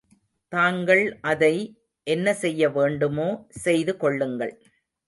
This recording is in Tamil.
தாங்கள் அதை என்ன செய்ய வேண்டுமோ, செய்து கொள்ளுங்கள்.